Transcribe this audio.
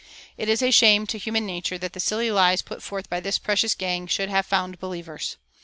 It is a shame to human nature that the silly lies put forth by this precious gang should have found believers.